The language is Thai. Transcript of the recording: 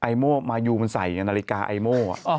ไอโมมายูมันใส่อย่างนาฬิกาไอโม